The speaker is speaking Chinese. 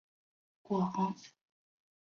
广岛藩是日本江户时代的一个藩领。